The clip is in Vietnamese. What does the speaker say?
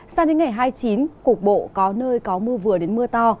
sang đến ngày hai mươi chín cục bộ có nơi có mưa vừa đến mưa to